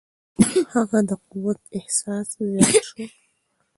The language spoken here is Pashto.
هغه د قوت احساس زیات شو.